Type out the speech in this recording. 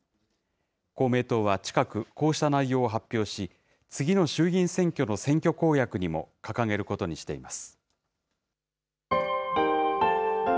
公明党は近く、こうした内容を発表し、次の衆議院選挙の選挙公約にも掲げることにしています。